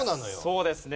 そうですね。